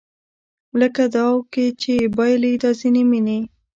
لکه داو کې چې بایلي دا ځینې مینې